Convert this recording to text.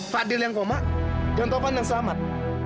fadil yang koma dan topan yang selamat